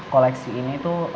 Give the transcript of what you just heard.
koleksi ini tuh